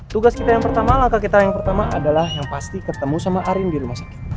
tugas kita yang pertama langkah kita yang pertama adalah yang pasti ketemu sama arin di rumah sakit